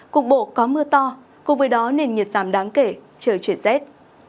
cục bộ có mưa to cùng với đó nền nhiệt giảm đáng kể trời chuyển rét